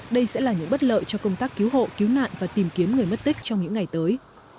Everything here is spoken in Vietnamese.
đây sẽ là những bất lợi cho công tác cứu hộ cứu nạn và tìm kiếm người mất tích trong những ngày tới